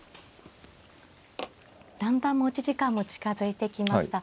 だんだん持ち時間も近づいてきました。